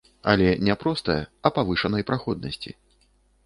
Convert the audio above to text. Але не простае, а павышанай праходнасці.